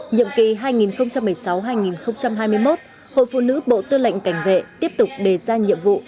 nhiệm kỳ hai nghìn một mươi sáu hai nghìn hai mươi một hội phụ nữ bộ tư lệnh cảnh vệ tiếp tục đề ra nhiệm vụ